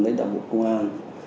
đại tá bộ công an